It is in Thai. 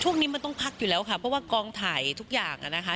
ช่วงนี้มันต้องพักอยู่แล้วค่ะเพราะว่ากองถ่ายทุกอย่างนะคะ